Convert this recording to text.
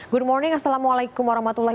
good morning assalamualaikum wr wb pak kolil